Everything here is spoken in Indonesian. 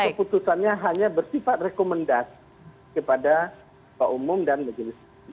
keputusannya hanya bersifat rekomendas kepada pak umum dan majelis tinggi